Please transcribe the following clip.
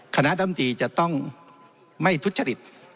คณะดำตีจะต้องไม่ทุจริต